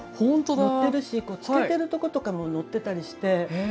載ってるし漬けてるとことかも載ってたりして。